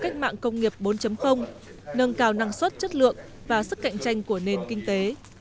công nghiệp bốn nâng cao năng suất chất lượng và sức cạnh tranh của nền kinh tế